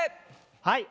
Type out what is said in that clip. はい。